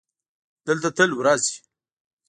دلته تل ورځ وي.